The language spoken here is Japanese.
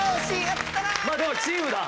まあでもチームだ。